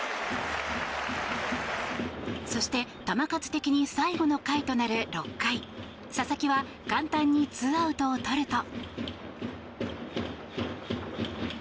そして、球数的に最後の回となる６回佐々木は簡単に２アウトを取ると。